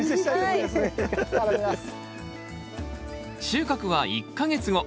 収穫は１か月後。